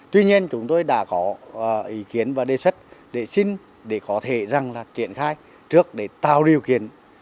tuy nhiên chúng tôi đã có ý kiến và đề xuất để xin để có thể triển khai trước để tạo điều kiện